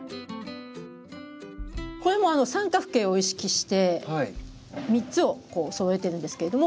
これも三角形を意識して３つをそろえているんですけども。